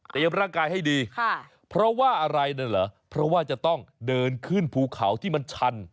เตรียมร่างกายให้ดีเพราะว่าจะต้องเดินขึ้นภูเขาที่มันชัน